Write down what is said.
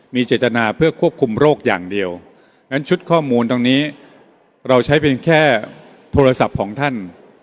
มีเจตนาเพื่อควบคุมโรคอย่างเดียวงั้นชุดข้อมูลตรงนี้เราใช้เป็นแค่โทรศัพท์ของท่าน